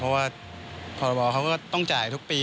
เพราะว่าพรบเขาก็ต้องจ่ายทุกปี